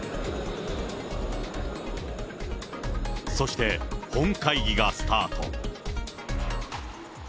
そして本会議がスタート。